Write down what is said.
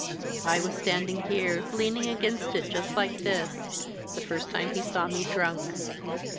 I was standing here, leaning against it just like this, the first time he saw me drunk.